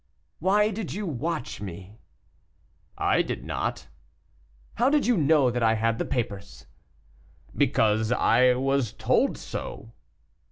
"Why did you watch me?" "I did not." "How did you know that I had the papers?" "Because I was told so."